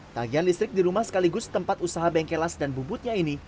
tagihan listrik di rumah sekaligus tempat usaha bengkelas dan bubutnya ini